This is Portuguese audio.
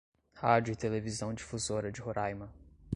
Rádio e Televisão Difusora de Roraima